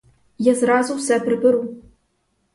Я зразу все приберу!